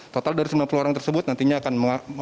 total dari sembilan puluh orang tersebut nantinya akan